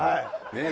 ねえ。